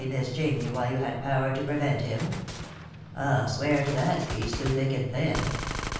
Miss Chamney while you had power to prevent him. I'll swear to that speech through thick and thin.